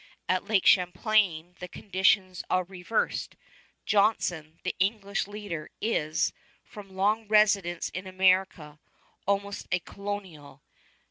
At Lake Champlain the conditions are reversed. Johnson, the English leader, is, from long residence in America, almost a colonial.